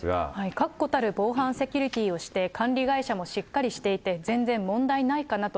確固たる防犯セキュリティーをして、管理会社もしっかりしていて、全然問題ないかなと。